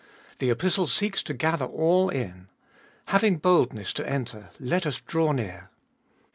The Epistle seeks to gather all in. Having boldness to enter, let us draw near